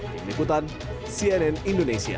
penyelenggaraan cnn indonesia